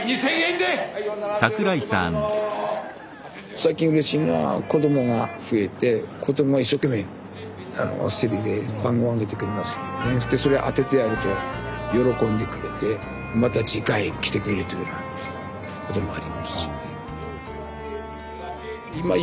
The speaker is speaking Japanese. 最近うれしいのは子供が増えて子供は一生懸命競りで番号挙げてくれますのでそしてそれを当ててやると喜んでくれてまた次回来てくれるというようなこともありますしね。